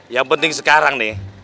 yang penting sekarang nih